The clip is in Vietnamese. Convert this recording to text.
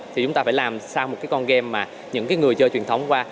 thì chúng ta phải làm sao một con game mà những người chơi truyền thống qua